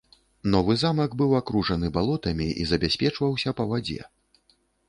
Новы замак быў акружаны балотамі і забяспечваўся па вадзе.